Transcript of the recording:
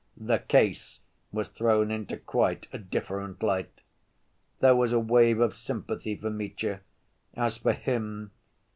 "The case" was thrown into quite a different light. There was a wave of sympathy for Mitya. As for him....